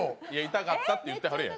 痛かったって言ってはるやん。